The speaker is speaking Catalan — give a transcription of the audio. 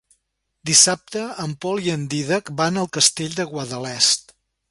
Dissabte en Pol i en Dídac van al Castell de Guadalest.